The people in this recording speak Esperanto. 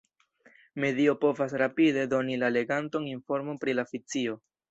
Medio povas rapide doni la leganton informon pri la fikcio.